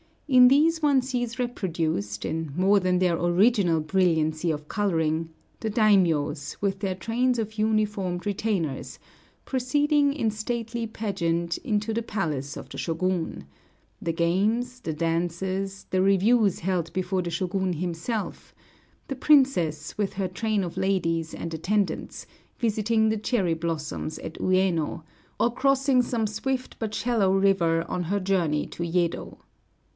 In these one sees reproduced, in more than their original brilliancy of coloring, the daimiōs, with their trains of uniformed retainers, proceeding in stately pageant to the palace of the Shōgun; the games, the dances, the reviews held before the Shōgun himself; the princess, with her train of ladies and attendants, visiting the cherry blossoms at Uyéno, or crossing some swift but shallow river on her journey to Yedo.